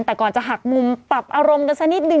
แต่ก่อนจะหักมุมปรับอารมณ์กันสักนิดนึ